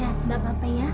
gak apa apa ya